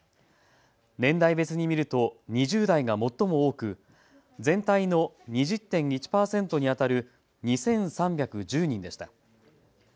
年代別に見ると２０代が最も多く全体の２０．１％にあたる２３１０人でした。